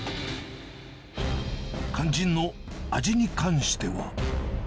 肝心の味に関しては。